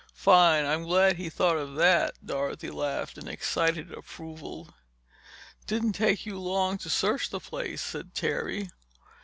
"Fine—I'm glad he thought of that!" Dorothy laughed in excited approval. "Didn't take you long to search the place," said Terry.